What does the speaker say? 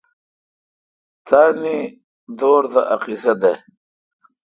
تاننی دور تہ۔ ا قیصہ دہ۔